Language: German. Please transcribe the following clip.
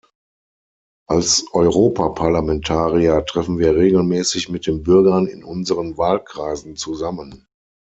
Als Europaparlamentarier treffen wir regelmäßig mit den Bürgern in unseren Wahlkreisen zusammen.